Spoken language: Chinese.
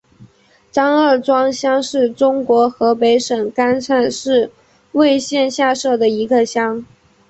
张二庄乡是中国河北省邯郸市魏县下辖的一个乡。